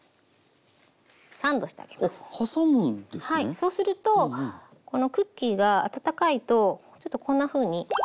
そうするとこのクッキーが温かいとちょっとこんなふうに一瞬で。